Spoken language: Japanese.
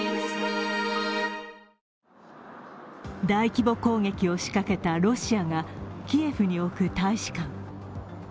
大規模攻撃を仕掛けたロシアがキエフに置く大使館。